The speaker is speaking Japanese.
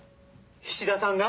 菱田さんが⁉